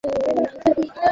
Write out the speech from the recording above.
তুমি নিতে চাও নাকি?